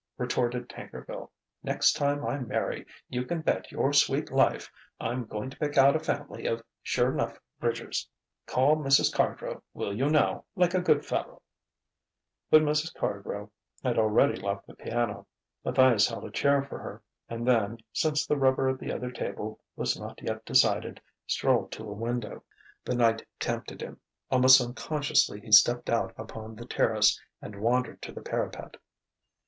retorted Tankerville. "Next time I marry, you can bet your sweet life I'm going to pick out a family of sure 'nough bridgers.... Call Mrs. Cardrow, will you now, like a good fellow." But Mrs. Cardrow had already left the piano. Matthias held a chair for her, and then, since the rubber at the other table was not yet decided, strolled to a window. The night tempted him. Almost unconsciously he stepped out upon the terrace and wandered to the parapet.